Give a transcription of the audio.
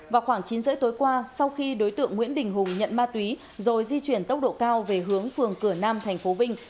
vào khoảng chín h ba mươi tối qua sau khi đối tượng nguyễn đình hùng nhận ma túy rồi di chuyển tốc độ cao về hướng phường cửa nam tp vinh